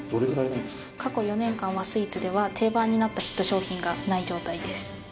過去４年間和スイーツでは定番になったヒット商品がない状態です